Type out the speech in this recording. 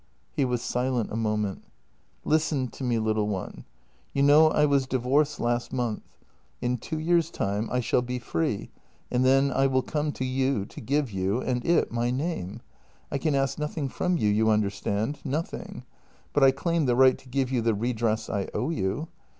He was silent a moment. " Listen to me, little one. You know I was divorced last JENNY 232 month. In two years' time I shall be free, and then I will come to you to give you — and it — my name. I ask nothing from you, you understand — nothing — but I claim the right to give you the redress I owe you.